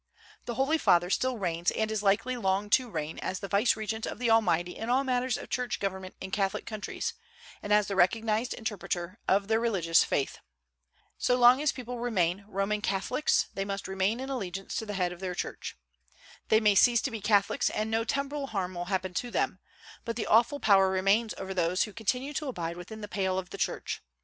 "The Holy Father" still reigns and is likely long to reign as the vicegerent of the Almighty in all matters of church government in Catholic countries, and as the recognized interpreter of their religious faith. So long as people remain Roman Catholics, they must remain in allegiance to the head of their church. They may cease to be Catholics, and no temporal harm will happen to them; but the awful power remains over those who continue to abide within the pale of the Church.